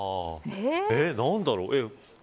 何だろう。